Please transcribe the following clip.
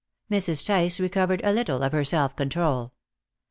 Mrs. Tice recovered a little of her self control.